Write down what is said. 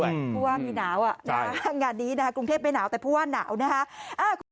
เพราะว่ามีหนาวงานนี้นะคะกรุงเทพไม่หนาวแต่ผู้ว่าหนาวนะคะ